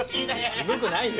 渋くないよ。